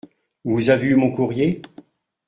Vous avez eu mon courrier ?